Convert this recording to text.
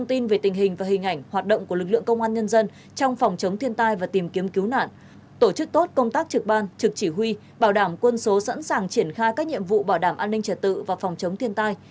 năm tổ chức tốt công tác trực ban trực chỉ huy bảo đảm quân số sẵn sàng triển khai các nhiệm vụ bảo đảm an ninh trẻ tự và phòng chống thiên tai